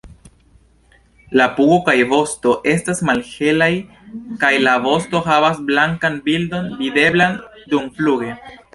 La pugo kaj vosto estas malhelaj, kaj la vosto havas blankan bildon videblan dumfluge.